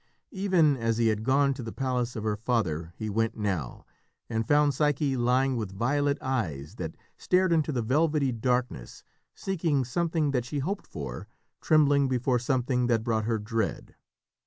Even as he had gone to the palace of her father he went now, and found Psyche lying with violet eyes that stared into the velvety darkness, seeking something that she hoped for, trembling before something that brought her dread.